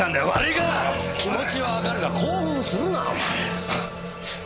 気持ちはわかるが興奮するなお前。